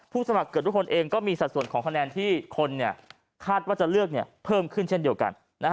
สมัครเกือบทุกคนเองก็มีสัดส่วนของคะแนนที่คนคาดว่าจะเลือกเพิ่มขึ้นเช่นเดียวกัน